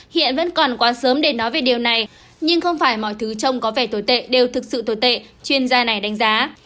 hiện vẫn còn quá sớm để nói về điều này nhưng không phải mọi thứ trông có vẻ tồi tệ đều thực sự tồi tệ chuyên gia này đánh giá